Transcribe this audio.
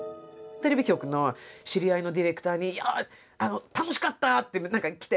テレビ局の知り合いのディレクターに「楽しかった！」って何か来て。